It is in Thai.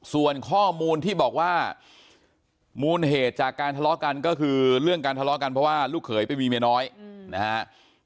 ส่วนข้อมูลที่บอกว่ามูลเหตุจากการทะเลาะกันก็คือเรื่องการทะเลาะกันเพราะว่าลูกเขยไปมีเมียน้อยนะฮะ